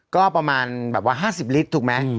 ก็ประมาณ๕๐ลิตรถูกไหม